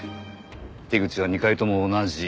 手口は２回とも同じ。